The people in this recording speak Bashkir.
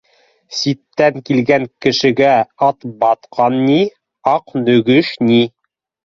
Ситтән килгән кешегә Атбатҡан ни, Аҡнөгөш ни